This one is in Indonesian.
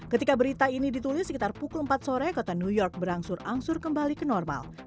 ketika berita ini ditulis sekitar pukul empat sore kota new york berangsur angsur kembali ke normal